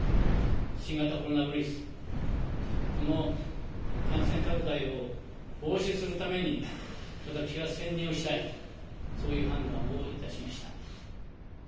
新型コロナウイルス、この感染拡大を防止するために、私は専念をしたいという、そういう判断をいたしました。